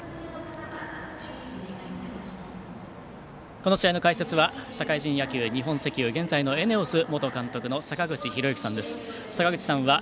この試合の解説は社会人野球日本石油現在のエネオス元監督の坂口裕之さんです。